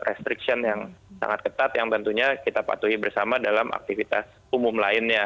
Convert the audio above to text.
restriction yang sangat ketat yang tentunya kita patuhi bersama dalam aktivitas umum lainnya